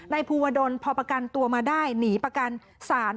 ภูวดลพอประกันตัวมาได้หนีประกันศาล